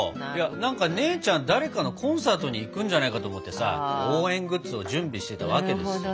何か姉ちゃん誰かのコンサートに行くんじゃないかと思ってさ応援グッズを準備してたわけですよ。